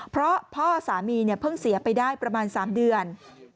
เพราะพ่อสามีเพิ่งเสียไปได้ประมาณ๓เดือน